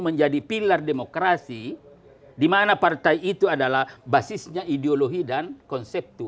menjadi pilar demokrasi dimana partai itu adalah basisnya ideologi dan konseptual